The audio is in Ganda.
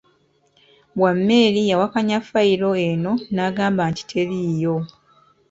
Wameli yawakanya ffayiro eno n’agamba nti teriiyo.